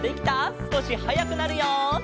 すこしはやくなるよ。